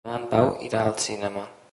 Demà en Pau irà al cinema.